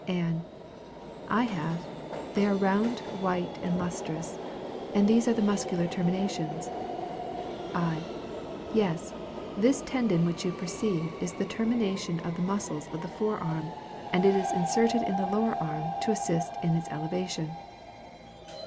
Ann. I have. They are round, white, and lustrous; and these are the muscular terminations. I. Yes; this tendon which you perceive, is the termination of the muscles of the fore arm, and it is inserted into the lower arm to assist in its elevation.